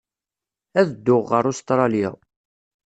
Ad dduɣ ɣer Ustṛalya.